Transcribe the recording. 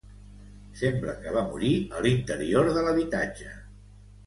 Sembla que va morir a l'interior de l'habitatge.